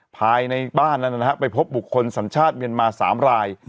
ภายในบ้านนั้นนะฮะไปพบบุคคลสัญชาติเมียนมา๓ราย